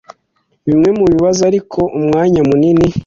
bimwe mubibazo Ariko umwanya munini